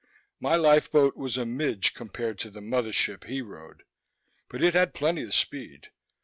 My lifeboat was a midge compared to the mother ship he rode, but it had plenty of speed.